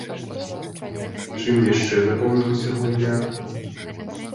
Чым яшчэ запомнілася гульня?